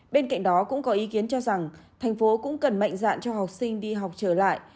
bên cạnh đó cũng có ý kiến cho rằng thành phố cũng cần mạnh dạn cho học sinh đi học trở lại